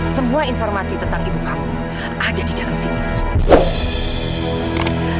semua informasi tentang ibu kampung ada di dalam sini